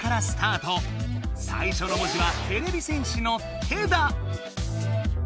最初の文字はてれび戦士の「て」だ。